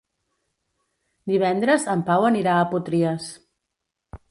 Divendres en Pau anirà a Potries.